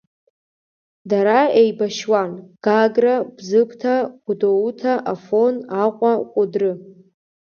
Дара еибашьуан Гагра, Бзыԥҭа, Гәдоуҭа, Афон, Аҟәа, Кәыдры.